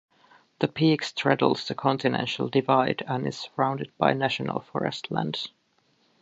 The peak straddles the Continental Divide and is surrounded by National Forest lands.